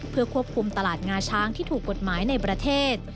เพื่อควบคุมตลาดงาช้างที่ถูกกฎหมายในประเทศ